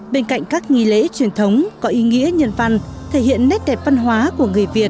bên cạnh các nghi lễ truyền thống có ý nghĩa nhân văn thể hiện nét đẹp văn hóa của người việt